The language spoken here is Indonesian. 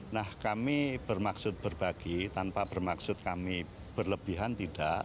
nah kami bermaksud berbagi tanpa bermaksud kami berlebihan tidak